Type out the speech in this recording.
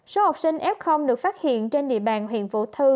số học sinh f được phát hiện trên địa bàn huyện vũ thư